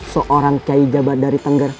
seorang kiai jabat dari tengger